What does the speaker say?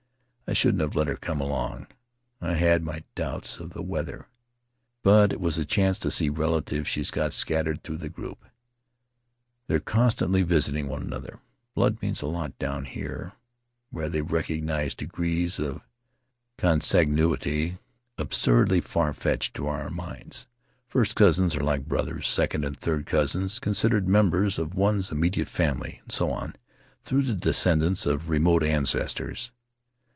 I shouldn't have let her come along — I had my doubts of the weather, but it was a chance to see the relatives she's got scattered through the group. They're con stantly visiting one another; blood means a lot down here where they recognize degrees of consanguinity absurdly farfetched to our minds. First cousins are like brothers, second and third cousins considered members of one's immediate family, and so on through the descendants of remote ancestors.